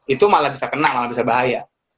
itu malah bisa kena malah bisa bahaya